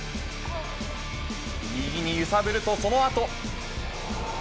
右に揺さぶると、そのあと。